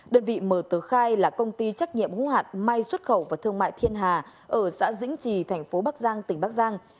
đơn vị mở tờ khai là công ty trách nhiệm hữu hạn may xuất khẩu và thương mại thiên hà ở xã dĩnh trì thành phố bắc giang tỉnh bắc giang